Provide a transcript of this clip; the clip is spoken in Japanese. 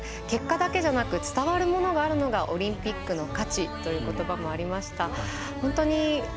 結果だけじゃなく伝わるものがあるのがオリンピックの価値という言葉もありました。